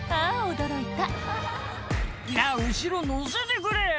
驚いた「なぁ後ろ乗せてくれよ」